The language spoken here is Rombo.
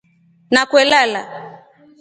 NA kwelala.